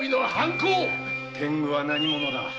天狗は何者だ？